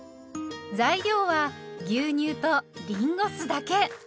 材料は牛乳とりんご酢だけ！